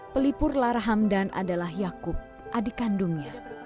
pelipur lara hamdan adalah yaakub adik kandungnya